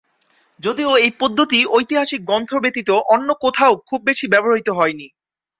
যদিও এই পদ্ধতি ঐতিহাসিক গ্রন্থ ব্যতীত অন্য কোথাও খুব বেশি ব্যবহৃত হয়নি।